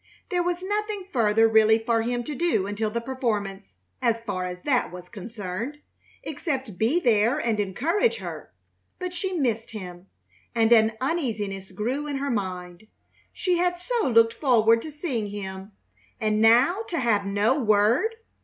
There was nothing further really for him to do until the performance, as far as that was concerned, except be there and encourage her. But she missed him, and an uneasiness grew in her mind. She had so looked forward to seeing him, and now to have no word!